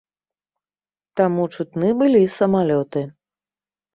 Таму чутны былі самалёты.